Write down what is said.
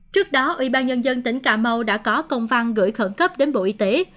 trước đó ủy ban nhân dân tỉnh cà mau đã có công văn gửi khẩn cấp đến bộ y tế